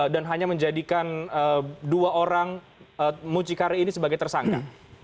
dan hanya menjadikan dua orang mucikari ini sebagai tersangka